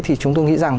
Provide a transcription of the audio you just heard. thì chúng tôi nghĩ rằng